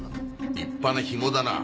立派なヒモだな。